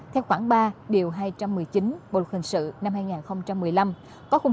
theo khoảng ba điều hai trăm một mươi chín bộ luật hình sự năm hai nghìn một mươi năm